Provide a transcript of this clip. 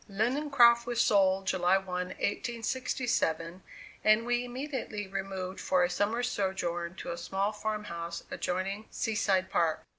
Lindencroft was sold July 1, 1867, and we immediately removed for a summer's sojourn to a small farm house adjoining Sea side Park.